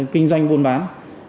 kinh doanh buôn bán